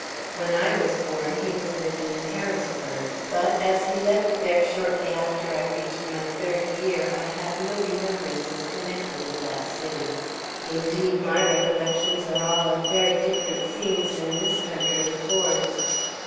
When I was born he was living in Harrisburg, but, as he left there shortly after I had reached my third year, I have no remembrances connected with that city. Indeed, my recollections are all of very different scenes than this country affords.